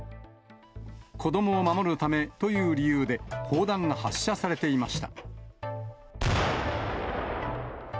子どもを守るためという理由で、砲弾が発射されていました。